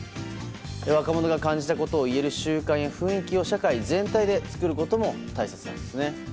若者が感じたことを言える習慣や雰囲気を社会全体で作ることも大切なんですね。